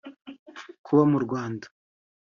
Kuba mu Rwanda